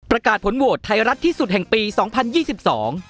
ประกาศผลโหวตไทยรัฐที่สุดแห่งปีสองพันยี่สิบสอง